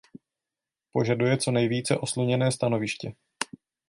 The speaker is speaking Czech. Požaduje co nejvíce osluněné stanoviště.